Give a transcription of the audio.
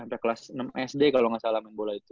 sampe kelas enam sd kalo gak salah main bola itu